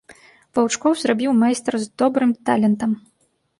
Ваўчкоў зрабіў майстар з добрым талентам.